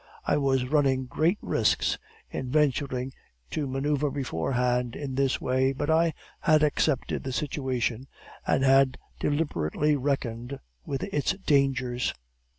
I was running great risks in venturing to manoeuvre beforehand in this way, but I had accepted the situation, and had deliberately reckoned with its dangers.